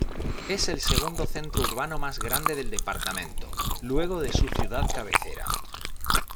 Es el segundo centro urbano más grande del departamento, luego de su ciudad cabecera.